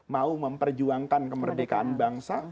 mau memperjuangkan kemerdekaan bangsa